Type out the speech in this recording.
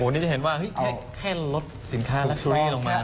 นี่จะเห็นว่าแค่ลดสินค้าลักเชอรี่ลงมา